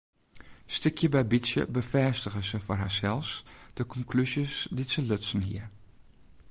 Stikje by bytsje befêstige se foar harsels de konklúzjes dy't se lutsen hie.